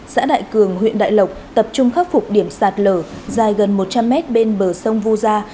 xã đại cường huyện đại lộc tập trung khắc phục điểm sạt lở dài gần một trăm linh mét bên bờ sông vu gia